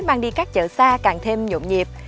mang đi các chợ xa càng thêm nhộn nhịp